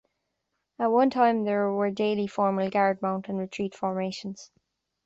At one time, there were daily formal "Guard Mount" and "Retreat" formations.